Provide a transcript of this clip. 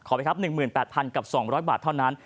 ขอบคุณครับ๑๘๒๐๐บาทเท่านั้น